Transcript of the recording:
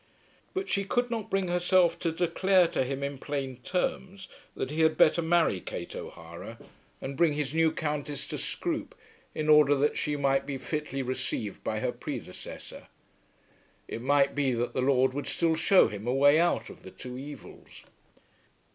But she could not bring herself to declare to him in plain terms that he had better marry Kate O'Hara, and bring his new Countess to Scroope in order that she might be fitly received by her predecessor. It might be that the Lord would still show him a way out of the two evils.